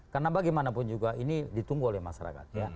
karena bagaimanapun juga ini ditunggu oleh masyarakat